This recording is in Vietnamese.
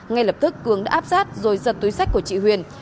ngay lập tức cường đã áp sát rồi giật túi sách của chị huyền